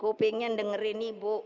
kupingnya dengerin nih sama juga